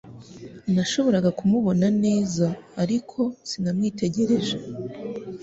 Nashoboraga kumubona neza ariko sinamwitegereje